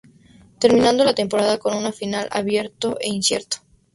Terminando la temporada con una final abierto e incierto.